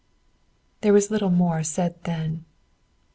There was little more said then.